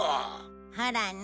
ほらね。